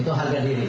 itu harga diri